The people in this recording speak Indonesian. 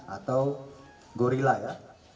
atau gorilla ya